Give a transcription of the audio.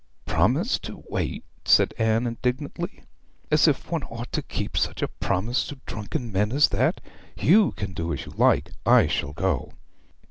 'Promised to wait!' said Anne indignantly. 'As if one ought to keep such a promise to drunken men as that. You can do as you like, I shall go.'